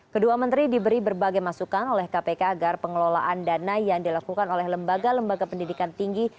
kedua menteri diberi berbagai masukan oleh kpk agar pengelolaan dana yang dilakukan oleh lembaga lembaga pendidikan tinggi